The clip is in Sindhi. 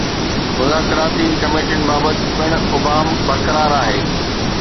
مذاڪراتي ڪميٽين بابت پڻ ابهام برقرار آهي.